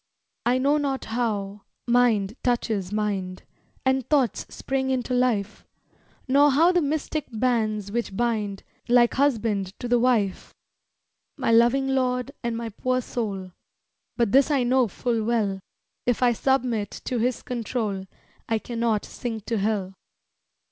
I know not how mind touches mind And thoughts spring into life; Nor know the mystic bands which bind, Like husband to the wife, My loving Lord and my poor soul, But this I know full well, If I submit to His control I cannot sink to hell.